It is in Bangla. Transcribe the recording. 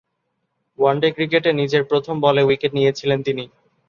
ওয়ানডে ক্রিকেটে নিজের প্রথম বলে উইকেট নিয়েছিলেন তিনি।